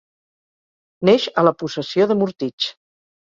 Neix a la possessió de Mortitx.